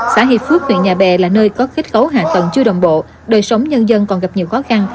xã hiệp phước huyện nhà bè là nơi có kết cấu hạ tầng chưa đồng bộ đời sống nhân dân còn gặp nhiều khó khăn